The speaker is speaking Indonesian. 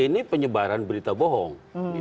ini penyebaran berita bohong